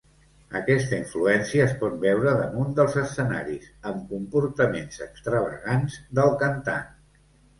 Aquesta influència es pot veure damunt dels escenaris amb comportaments extravagants del cantant.